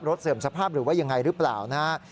เสื่อมสภาพหรือว่ายังไงหรือเปล่านะฮะ